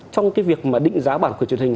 trong việc định giá bản quyền truyền hình